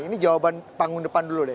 ini jawaban panggung depan dulu deh